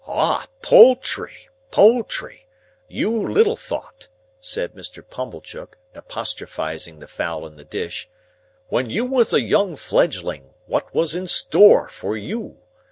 "Ah! poultry, poultry! You little thought," said Mr. Pumblechook, apostrophising the fowl in the dish, "when you was a young fledgling, what was in store for you.